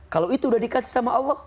kalau itu udah dikasih sama allah